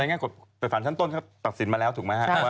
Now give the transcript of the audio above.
ในศานชั้นต้นเค้าก็ตักศิลป์มาแล้วถูกไหมฮะ